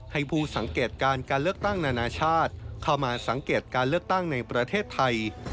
ให้ผู้สังเกตการการเลือกตั้งนานาชาติเข้ามาสังเกตการเลือกตั้งในประเทศไทย